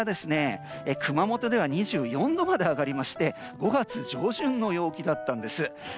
熊本では２４度まで上がりまして５月上旬の陽気だったんです。